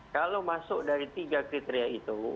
kalau masuk dari tiga kriteria itu